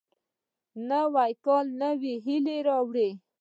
نوی کال نوې هیلې راوړي